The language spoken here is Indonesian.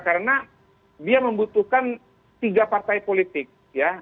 karena dia membutuhkan tiga partai politik ya